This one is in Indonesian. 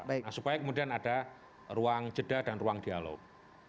nah supaya kemudian ada ruang jeda dan ruang dialog